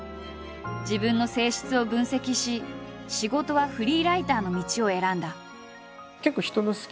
自分の性質を分析し仕事はフリーライターの道を選んだ。